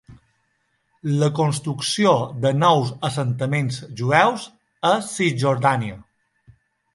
La construcció de nous assentaments jueus a Cisjordània.